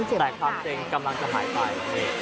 แต่ความเซ็งกำลังจะหายไป